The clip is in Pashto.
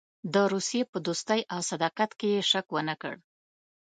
د روسیې په دوستۍ او صداقت کې یې شک ونه کړ.